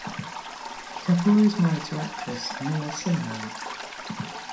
Kapoor is married to actress Meera Simhan.